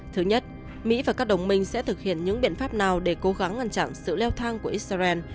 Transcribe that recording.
thứ nhất mỹ và các đồng minh sẽ thực hiện những biện pháp nào để cố gắng ngăn chặn sự leo thang của israel